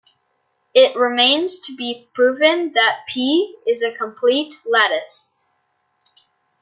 It remains to be proven that P is a complete lattice.